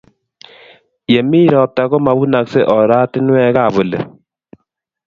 Yemi ropta komapunoksey oratunwek ap oli